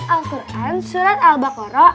al quran surat al baqarah